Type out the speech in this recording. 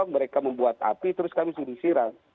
mereka membuat api terus kami disuruh sirah